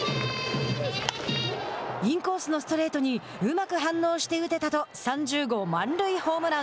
インコースのストレートにうまく反応して打てたと３０号満塁ホームラン。